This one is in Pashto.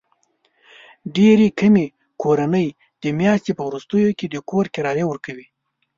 ډېرې کمې کورنۍ د میاشتې په وروستیو کې د کور کرایه ورکوي.